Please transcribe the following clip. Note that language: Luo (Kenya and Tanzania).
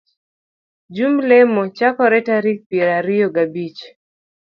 Jumb lemo chakore tarik piero ariyo gabich